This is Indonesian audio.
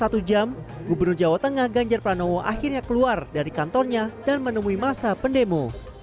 kita dari beberapa kali gitu ya yang akhirnya juga pak ganjar juga tidak berikan sisi apa apa